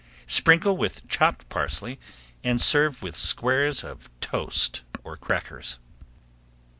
Sprinkle with chopped parsley and serve with squares of toast or crackers.